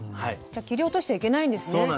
じゃあ切り落としちゃいけないんですね。